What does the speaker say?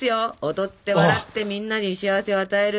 踊って笑ってみんなに幸せを与える。